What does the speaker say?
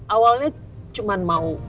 awalnya cuman mau